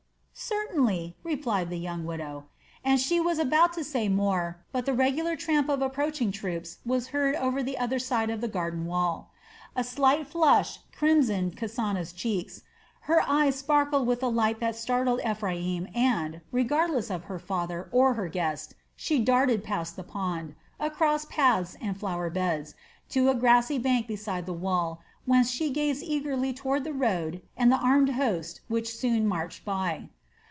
"Certainly," replied the young widow. And she was about to say more, but the regular tramp of approaching troops was heard on the other side of the garden wall. A slight flush crimsoned Kasana's cheeks, her eyes sparkled with a light that startled Ephraim and, regardless of her father or her guest, she darted past the pond, across paths and flower beds, to a grassy bank beside the wall, whence she gazed eagerly toward the road and the armed host which soon marched by.